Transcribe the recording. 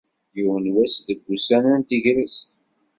Yiwen wass deg wussan n tegrest.